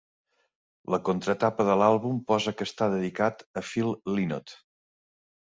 La contratapa de l'àlbum posa que està dedicat a Phil Lynott.